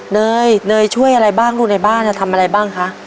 เนยเนยช่วยอะไรบ้างลูกในบ้านทำอะไรบ้างคะ